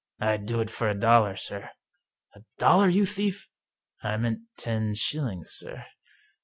" I'd do it for a dollar, sir." "A dollar, you thief?" " I meant ten shillings, sir."